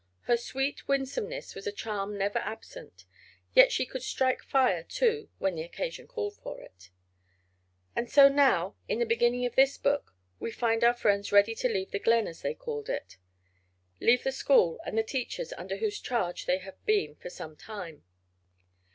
Her sweet winsomeness was a charm never absent. Yet she could strike fire, too, when the occasion called for it. And so now, in beginning this new book, we find our friends ready to leave the "Glen", as they called it; leave the school and the teachers under whose charge they had been for some time.